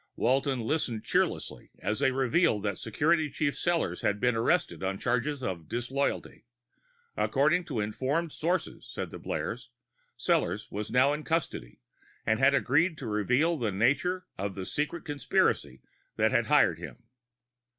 Walton listened cheerlessly as they revealed that Security Chief Sellors had been arrested on charges of disloyalty. According to informed sources, said the blares, Sellors was now in custody and had agreed to reveal the nature of the secret conspiracy which had hired him.